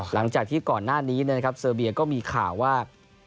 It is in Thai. หลังจากที่ก่อนหน้านี้นะครับเซอร์เบียก็มีข่าวว่า